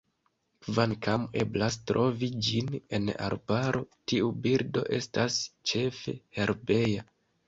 Kvankam eblas trovi ĝin en arbaro, tiu birdo estas ĉefe herbeja.